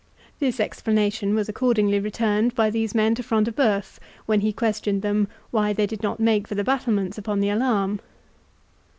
This explanation was accordingly returned by these men to Front de Bœuf, when he questioned them why they did not make for the battlements upon the alarm.